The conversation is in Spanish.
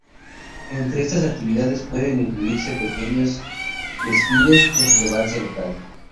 Entre estas actividades pueden incluirse pequeños desfiles de relevancia local.